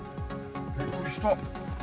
びっくりした。